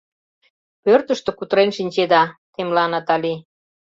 Пӧртыштӧ кутырен шинчеда, — темла Натали.